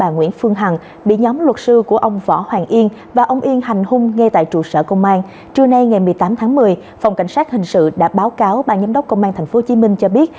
nguy cơ cao gây lũ quét và sạt lở đất